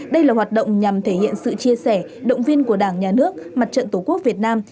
đây là hoạt động nhằm thể hiện sự chia sẻ động viên của đảng nhà nước mặt trận tổ quốc việt nam